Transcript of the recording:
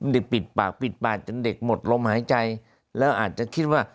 เด็กปิดปากหลมหายใจแล้วอาจจะคิดว่า